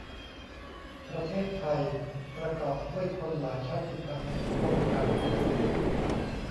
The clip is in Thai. ประเทศไทย ประกอบด้วยคนหลายชาติพันธุ์อยู่ร่วมกัน